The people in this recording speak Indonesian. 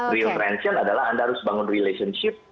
real frenction adalah anda harus bangun relationship